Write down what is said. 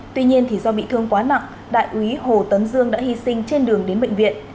tuy nhiên do bị thương quá nặng đại úy hồ tấn dương đã hy sinh trên đường đến bệnh viện